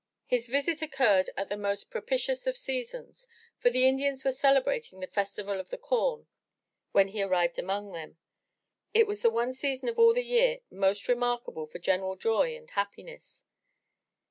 His visit occurred at the most propitious of seasons, for the Indians were celebrating the Festival of the Corn when he arrived 377 MY BOOK HOUSE among them. It was the one season of all the year most remark able for general joy and happiness.